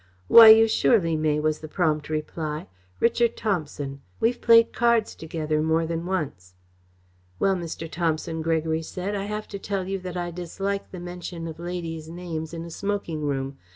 "Why, you surely may," was the prompt reply. "Richard Thomson. We've played cards together more than once." "Well, Mr. Thomson," Gregory said, "I have to tell you that I dislike the mention of ladies' names in a smoking room.